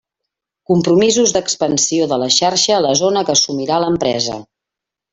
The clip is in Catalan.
Compromisos d'expansió de la xarxa a la zona que assumirà l'empresa.